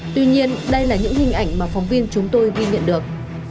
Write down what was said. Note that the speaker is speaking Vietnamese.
tuy nhiên đây là những hình ảnh mà phóng viên chúng tôi ghi nhận được